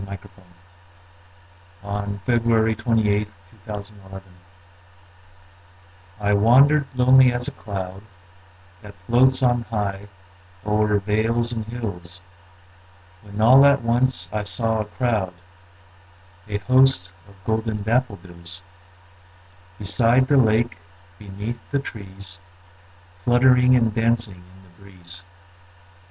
William Wordsworth I Wandered Lonely As a Cloud I WANDERED lonely as a cloud That floats on high o'er vales and hills, When all at once I saw a crowd, A host, of golden daffodils; Beside the lake, beneath the trees, Fluttering and dancing in the breeze.